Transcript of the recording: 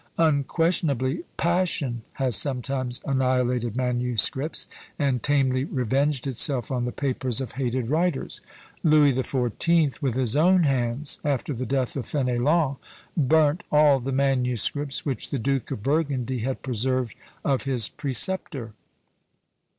Unquestionably Passion has sometimes annihilated manuscripts, and tamely revenged itself on the papers of hated writers! Louis the Fourteenth, with his own hands, after the death of Fénélon, burnt all the manuscripts which the Duke of Burgundy had preserved of his preceptor.